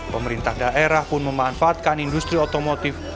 pemerintah daerah pun memanfaatkan industri otomotif